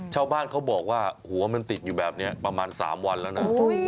ชาวบ้านเขาบอกว่าหัวมันติดอยู่แบบนี้ประมาณ๓วันแล้วนะ